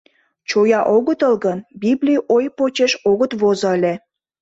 Чоя огытыл гын, библий ой почеш огыт возо ыле.